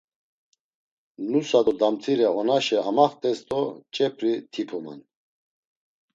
Nusa do damtire onaşe amaxt̆es do ç̌epri tipuman.